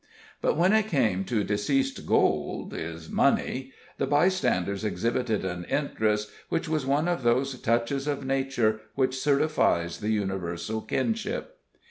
But when it came to deceased's gold his money the bystanders exhibited an interest which was one of those touches of nature which certifies the universal kinship.